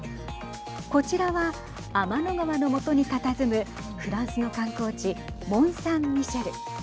こちらは、天の川の下にたたずむフランスの観光地モンサンミシェル。